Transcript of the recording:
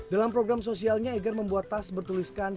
dalam program sosialnya eger membuat tas bertuliskan